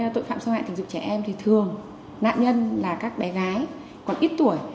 tội phạm xâm hại tình dục trẻ em thì thường nạn nhân là các bé gái còn ít tuổi